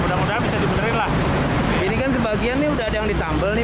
mudah mudahan bisa dibenerin lah ini kan sebagian ini udah ada yang ditambel nih